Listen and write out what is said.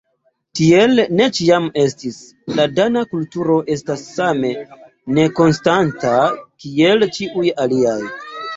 Tiel ne ĉiam estis – la Dana kulturo estas same nekonstanta kiel ĉiuj aliaj.